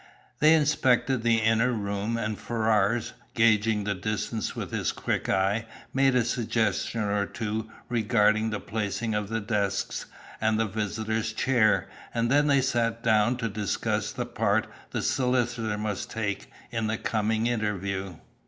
They inspected the inner room, and Ferrars, gauging the distance with his quick eye, made a suggestion or two regarding the placing of the desks, and the visitor's chair, and then they sat down to discuss the part the solicitor must take in the coming interview.